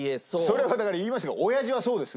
それはだから言いますけど親父はそうです。